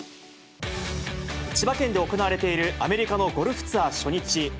千葉県で行われている、アメリカのゴルフツアー初日。